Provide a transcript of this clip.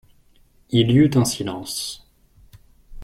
Il y eut un silence.